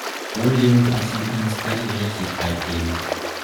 Ohne Demokratie kann es keine Gerechtigkeit geben.